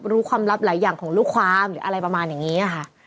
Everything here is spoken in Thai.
รู้ความลับหลายอย่างของลูกความหรืออะไรประมาณอย่างนี้ค่ะ